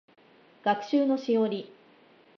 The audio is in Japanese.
学習のしおり